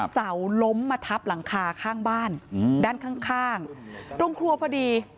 เสาล้มมาทับหลังคาข้างบ้านด้านข้างตรงครัวพอดี